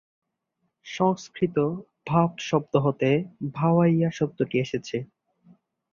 সংস্কৃত "ভাব" শব্দ হতে "ভাওয়াইয়া" শব্দটি এসেছে।